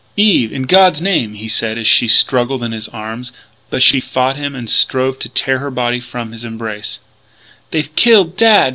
"Eve! In God's name! " he said as she struggled in his arms; but she fought him and strove to tear her body from his embrace: "They've killed Dad!"